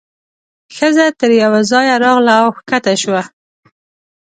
ښځه تر یوه ځایه راغله او کښته شوه.